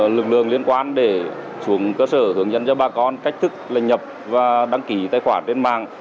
lực lượng liên quan để xuống cơ sở hướng dẫn cho bà con cách thức là nhập và đăng ký tài khoản trên mạng